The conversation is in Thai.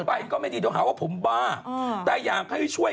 เพราะวันนี้หล่อนแต่งกันได้ยังเป็นสวย